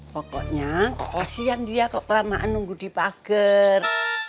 pokoknya kasihan dia kok perlamaan nunggu di pager